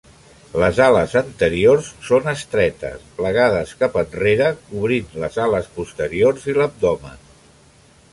Les ales anteriors són estretes, plegades cap enrere cobrint les ales posteriors i l'abdomen.